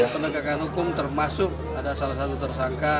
penegakan hukum termasuk ada salah satu tersangka